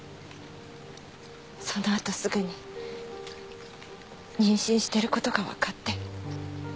そのあとすぐに妊娠してることがわかって。